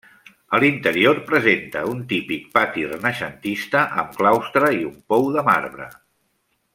A l'interior presenta un típic pati renaixentista amb claustre i un pou de marbre.